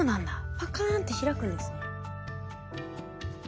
パカーンって開くんですね。